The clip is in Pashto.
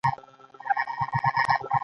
د سینې د سختوالي لپاره کومه کڅوړه وکاروم؟